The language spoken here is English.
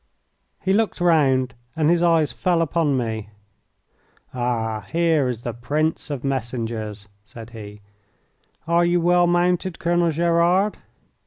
He looked round, and his eyes fell upon me. "Ah! here is the prince of messengers," said he. "Are you well mounted, Colonel Gerard?"